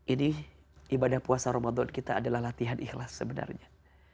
ini ibadah puasa ramadan kita adalah latihan ikhlas sebenarnya